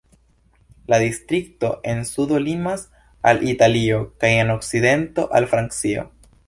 La distrikto en sudo limas al Italio kaj en okcidento al Francio.